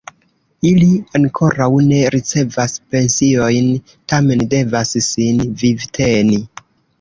Ili ankoraŭ ne ricevas pensiojn tamen devas sin vivteni.